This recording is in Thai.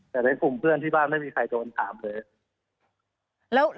แต่ในกลุ่มเพื่อนที่บ้านไม่มีใครโดนถามเลย